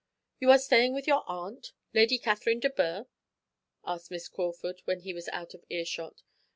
"You are staying with your aunt, Lady Catherine de Bourgh?" asked Miss Crawford, when he was out of earshot.